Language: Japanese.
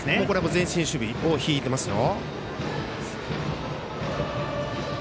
前進守備を敷いていますよ。